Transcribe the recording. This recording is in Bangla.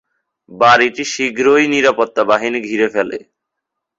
বাড়িটি শীঘ্রই নিরাপত্তা বাহিনী ঘিরে ফেলে।